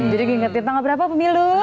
jadi ingetin tangan berapa pemilu